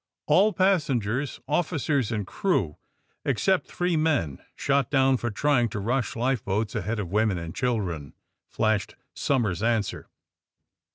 ^^All passengers, officers and crew, except three men shot down for trying to rnsh life boats ahead of women and children," flashed Somers's answer.